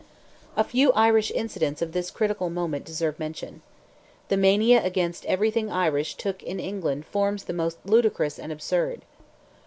A few Irish incidents of this critical moment deserve mention. The mania against everything Irish took in England forms the most ludicrous and absurd.